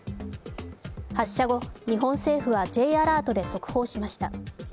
発射後、日本政府はＪアラートで速報しました。